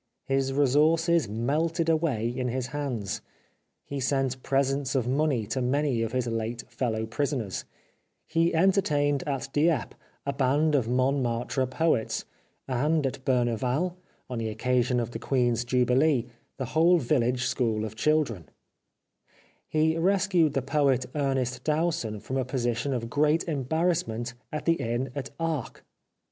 His resources melted away in his hands ; he sent presents of money to many of his late fellow prisoners ; he entertained at Dieppe a band of Montmartre poets, and at Berneval, on the occasion of the Queen's Jubilee, the whole village school of children ; he rescued the poet Ernest Dowson from a position of great em barrassment at the inn at Arques.